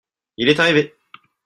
il est arrivé.